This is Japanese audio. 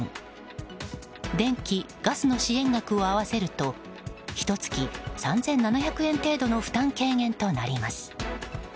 電気・ガスの支援額を合わせるとひと月３７００円程度の負担軽減となります。